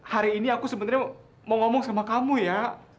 hari ini aku sebenarnya mau ngomong sama kamu ya